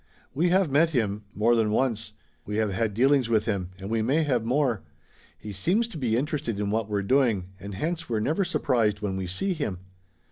"We have met him more than once. We have had dealings with him, and we may have more. He seems to be interested in what we're doing, and hence we're never surprised when we see him."